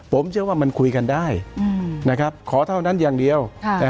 ผมเชื่อว่ามันคุยกันได้ขอเท่านั้นอย่างเดียว